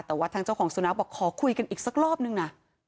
แต่ว่าทางเจ้าของสุนัขบอกขอคุยกันอีกสักรอบนึงนะ